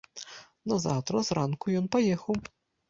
Назаўтра зранку ён паехаў.